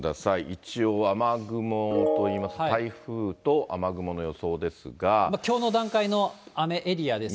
一応、雨雲といいますか、きょうの段階の雨エリアです。